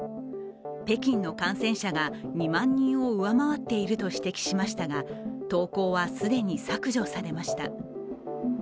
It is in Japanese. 北京の感染者が２万人を上回っていると指摘しましたが投稿は既に削除されました。